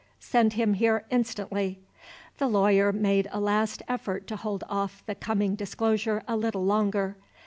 Send him here instantly." The lawyer made a last effort to hold off the coming disclosure a little longer.